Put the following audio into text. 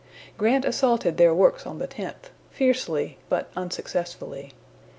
Grant assaulted their works on the tenth, fiercely, but unsuccessfully.